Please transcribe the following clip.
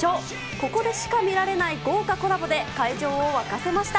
ここでしか見られない豪華コラボで会場を沸かせました。